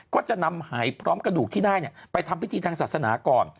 ก็จะนำหายพร้อมกระดูกที่ได้ไปทำพิธีทางศาสนาก่อน